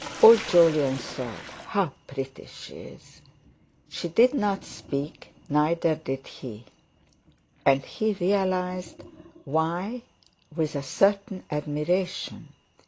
Old Jolyon thought: "How pretty she is!" She did not speak, neither did he; and he realized why with a certain admiration.